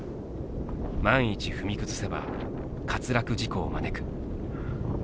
万一踏み崩せば滑落事故を招く。